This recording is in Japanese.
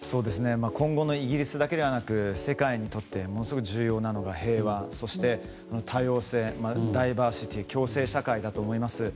今後のイギリスだけでなく世界にとってものすごい重要なのが平和そして、多様性ダイバーシティ共生社会だと思います。